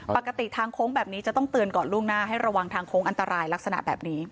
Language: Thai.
ปกติทางโค้งแบบนี้จะต้องเตือนก่อนล่วงหน้าให้ระวังทางโค้งอันตรายลักษณะแบบนี้